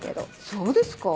そうですか？